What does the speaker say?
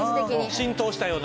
浸透したような。